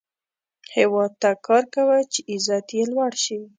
هیواد ته کار کوه، چې عزت یې لوړ شي